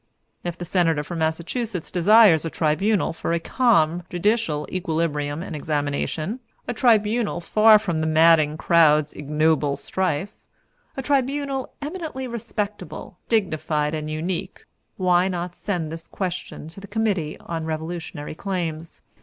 If the Senator from Massachusetts desires a tribunal for a calm, judicial equilibrium and examination a tribunal far from the 'madding crowd's ignoble strife' a tribunal eminently respectable, dignified and unique; why not send this question to the Committee on Revolutionary Claims?